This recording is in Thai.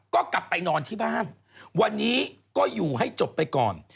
ก็กลับไปนอนที่บ้านวันนี้ก็อยู่ให้จบไปก่อน